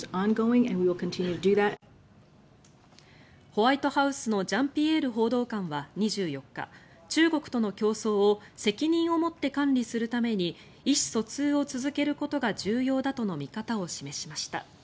ホワイトハウスのジャンピエール報道官は２４日中国との競争を責任を持って管理するために意思疎通を続けることが重要だとの見方を示しました。